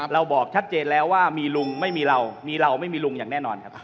บอกชัดเจนแล้วว่ามีลุงไม่มีเรามีเราไม่มีลุงอย่างแน่นอนครับ